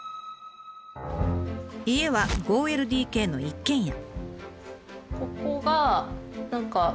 家は５ＬＤＫの一軒家。